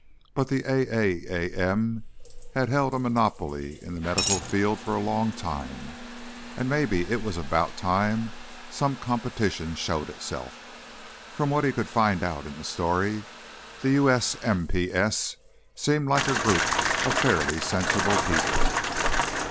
But the AAAM had held a monopoly in the medical field for a long time; maybe it was about time some competition showed itself. From what he could find out in the story, the USMPS seemed like a group of fairly sensible people.